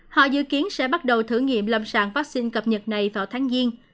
họ dự kiến sẽ bắt đầu thử nghiệm lâm sàng vaccine cập nhật này vào tháng giêng